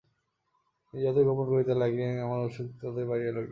কিন্তু তিনি যতই গোপন করিতে লাগিলেন, আমার ঔৎসুক্য ততই বাড়িয়া উঠিল।